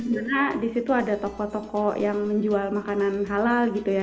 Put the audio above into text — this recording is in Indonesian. karena di situ ada toko toko yang menjual makanan halal gitu ya